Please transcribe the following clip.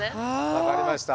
分かりました。